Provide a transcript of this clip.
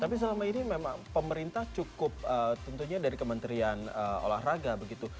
tapi selama ini memang pemerintah cukup tentunya dari kementerian olahraga begitu